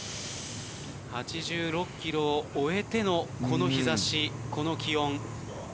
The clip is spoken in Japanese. ８６ｋｍを終えてのこの日差しこの気温。